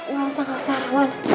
gak usah gak usah rahman